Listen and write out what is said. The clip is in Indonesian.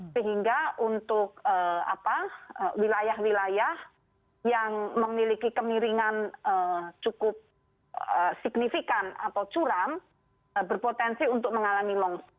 sehingga untuk wilayah wilayah yang memiliki kemiringan cukup signifikan atau curam berpotensi untuk mengalami longsor